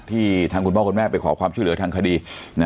ทางคุณพ่อคุณแม่ไปขอความช่วยเหลือทางคดี